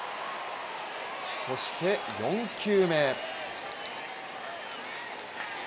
そして４球目。